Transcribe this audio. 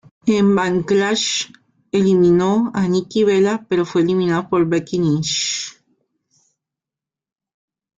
En Backlash, eliminó a Nikki Bella pero fue eliminada por Becky Lynch.